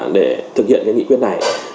để thực hiện cái nghị quyết này